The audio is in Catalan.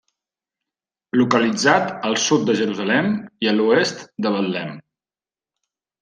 Localitzat al sud de Jerusalem i a l'oest de Betlem.